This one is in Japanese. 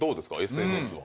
ＳＮＳは。